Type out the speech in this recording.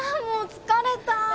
もう疲れた